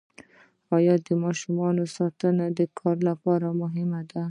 د ماشوم ساتنه د کار لپاره مهمه ده.